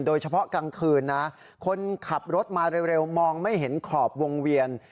โดยเฉพาะกลางคืนนะคนขับรถมาเร็วมองไม่เห็นขอบวงเวียน